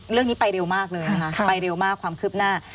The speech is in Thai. เรื่องนี้ไปเร็วมากเลยนะคะไปเร็วมากความคืบหน้า